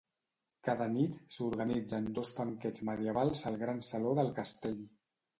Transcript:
Cada nit s'organitzen dos banquets medievals al gran saló del castell.